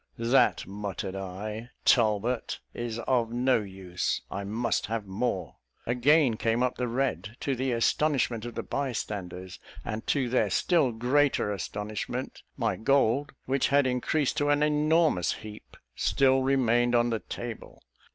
"That," muttered I, "Talbot, is of no use; I must have more." Again came up the red, to the astonishment of the bystanders; and to their still greater astonishment, my gold, which had increased to an enormous heap, still remained on the table.